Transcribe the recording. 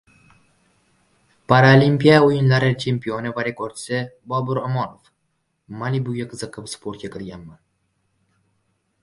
Paralimpiya o‘yinlari chempioni va rekordchisi Bobur Omonov: "Malibu"ga qiziqib sportga kirganman..."